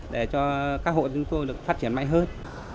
để cho các hộ dân số được phát triển mạnh hơn